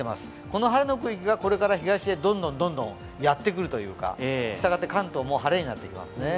この晴れの区域がこれから東へどんどんやってくるというかしたがって、関東も晴れになってきますね。